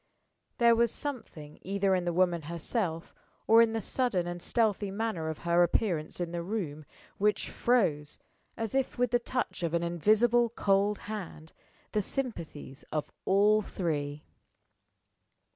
There was something either in the woman herself, or in the sudden and stealthy manner of her appearance in the room, which froze, as if with the touch of an invisible cold hand, the sympathies of all three.